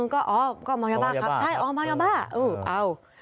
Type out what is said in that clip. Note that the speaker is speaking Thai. อ๋อก็เมายาบ้าครับใช่อ๋อเมายาบ้า